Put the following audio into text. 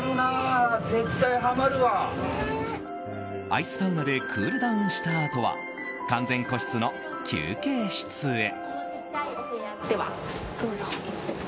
アイスサウナでクールダウンしたあとは完全個室の休憩室へ。